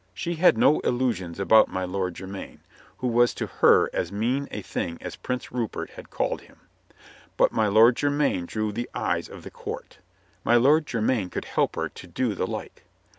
She had no illusions 134 COLONEL GREATHEART about my Lord Jermyn, who was to her as mean a thing as Prince Rupert had called him. But my Lord Jermyn drew the eyes of the court. My Lord Jermyn could help her to do the like.